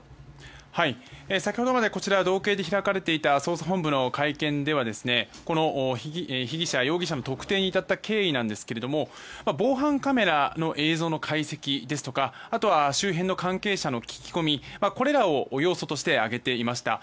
先ほどまで道警で開かれていた捜査本部の会見では容疑者の特定に至った経緯について防犯カメラの映像の解析ですとかあとは周辺の関係者の聞き込みこれらを要素として挙げていました。